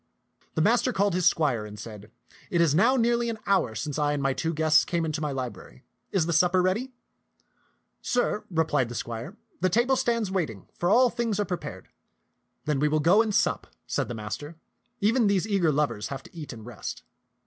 The master called his squire and said, " It is now nearly an hour since I and my two guests came into my library. Is the supper ready ?" "Sir," replied the squire, " the table stands waiting, for all things are prepared." " Then we will go and sup," said the master. " Even these eager lovers have to eat and rest."